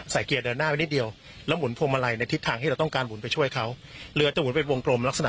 ถ้าเกิดฮิตว่าถอยหลังเข้าหาวัตถุหรือคนอ่ะ